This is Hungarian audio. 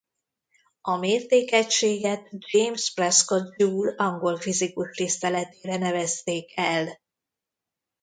A mértékegységet James Prescott Joule angol fizikus tiszteletére nevezték el.